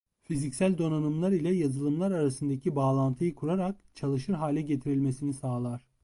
Fiziksel donanımlar ile yazılımlar arasındaki bağlantıyı kurarak çalışır hale getirilmesini sağlar.